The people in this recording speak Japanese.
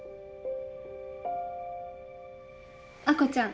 亜子ちゃん